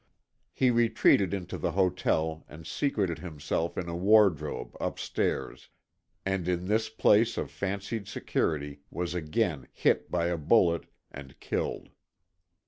He retreated into the hotel and secreted himself in a wardrobe, up stairs, and in this place of fancied security was again hit by a bullet and killed.